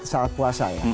saat puasa ya